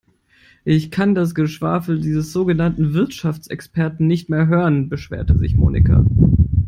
Ich kann das Geschwafel dieses sogenannten Wirtschaftsexperten nicht mehr hören, beschwerte sich Monika.